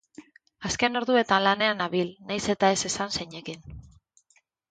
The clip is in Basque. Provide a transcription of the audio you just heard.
Azken orduetan lanean nabil, nahiz eta ez esan zeinekin.